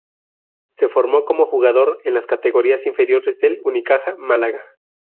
Se formó como jugador en las categorías inferiores del Unicaja Málaga.